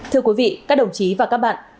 thưa quý vị các đồng chí và các bạn